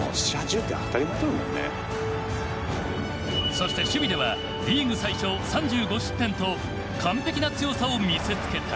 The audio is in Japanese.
そして守備ではリーグ最少３５失点と完璧な強さを見せつけた。